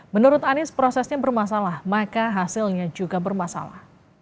menurut anies prosesnya bermasalah maka hasilnya juga bermasalah